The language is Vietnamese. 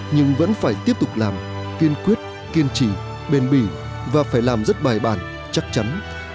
nhưng vẫn phải tiếp tục làm kiên quyết kiên trì bền bỉ và phải làm rất bài bản chắc chắn